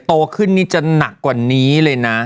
โตขึ้นนี่จะหนักกว่านี้เลยนะ